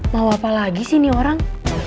mau apa lagi sih nih orang